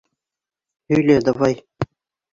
Һөйлә, давай!